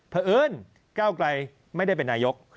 เผอิญก้าวกลายไม่ได้เป็นนายยก